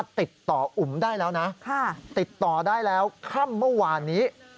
ติดต่อได้แล้วค่ำเมื่อวานนี้